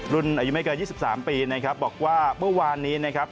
รุ่นอายุไม่เกิน๒๓ปีนะครับบอกว่าเมื่อวานนี้นะครับ